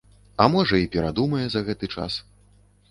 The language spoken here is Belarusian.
А, можа, і перадумае за гэты час.